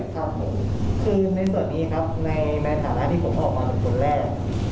ครับผมคือในส่วนนี้ครับในฐานะที่ผมออกมาเป็นคนแรก